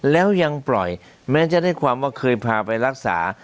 แล้วยังปล่อยแม้จะได้ความว่าเคยพาไปรักษา